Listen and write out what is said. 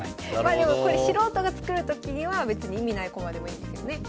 まあでもこれ素人が作るときには別に意味ない駒でもいいんですよね。